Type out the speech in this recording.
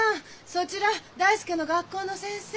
そちら大介の学校の先生。